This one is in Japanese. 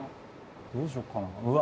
どうしよっかなあ。